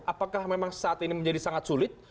apakah memang saat ini menjadi sangat sulit